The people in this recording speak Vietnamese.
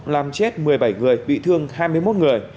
làm chết một mươi bảy người bị thương hai mươi một người